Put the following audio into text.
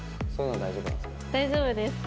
大丈夫です。